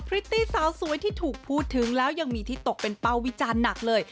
ริตตี้สาวสวยที่ถูกพูดถึงแล้วยังมีที่ตกเป็นเป้าวิจารณ์หนักเลย